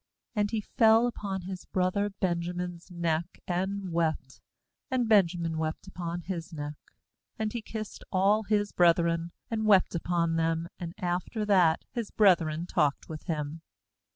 14And he fell upon his brother Benjamin's neck, and wept; and 'Benjamin wept upon his neck. 15And he kissed all his brethren, and wept upon them; and after that his brethren talked with him.